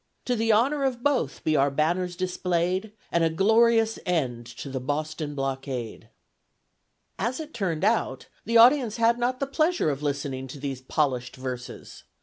To the Honour of both be our Banners display'd, And a glorious End to the BOSTON BLOCKADE. As it turned out, the audience had not the pleasure of listening to these polished verses.